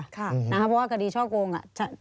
เพราะว่าคดีช่อโกง